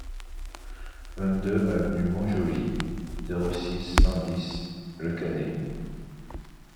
vingt-deux avenue Mont-Joli, zéro six, cent dix Le Cannet